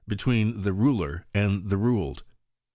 ruler and the ruled.